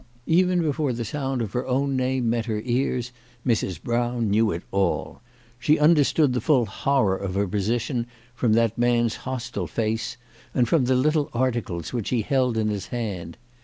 Even before the sound of her own name met her ears Mrs. Brown knew it all. She understood the full horror of her position from that man's hostile face, and from the little article which he held in his hand.